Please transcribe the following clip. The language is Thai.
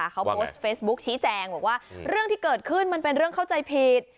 เขาโพสต์เฟซบุ๊คชี้แจงบอกว่าเรื่องที่เกิดขึ้นมันเป็นเรื่องเข้าใจผิด